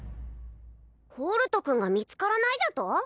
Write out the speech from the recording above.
ホルト君が見つからないじゃと？